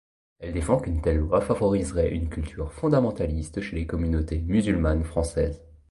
Elle défend qu'une telle loi favoriserait une culture fondamentaliste chez les communautés musulmanes françaises.